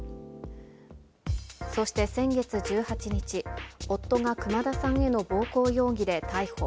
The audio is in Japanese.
そして先月１８日、夫が熊田さんへの暴行容疑で逮捕。